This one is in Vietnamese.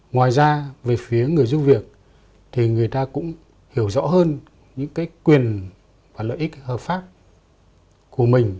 ngoài ra về phía người giúp việc thì người ta cũng hiểu rõ hơn những cái quyền và lợi ích hợp pháp của mình